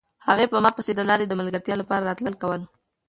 هغې په ما پسې د لارې د ملګرتیا لپاره راتلل کول.